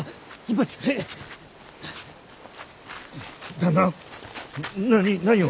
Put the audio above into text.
旦那何何を？